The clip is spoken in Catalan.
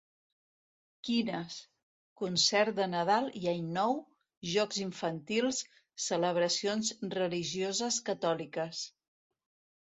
Quines, concert de Nadal i Any nou, jocs infantils, celebracions religioses catòliques.